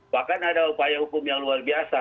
bahkan ada upaya hukum yang luar biasa